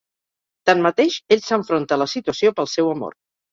Tanmateix, ell s'enfronta a la situació pel seu amor.